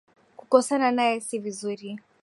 Kukosana naye si vizuri.